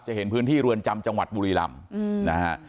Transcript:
เห็นพื้นที่เรือนจำจังหวัดบุรีรำนะฮะ